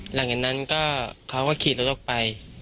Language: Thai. หลังจากนั้นก็เขาก็ขี่รถออกไป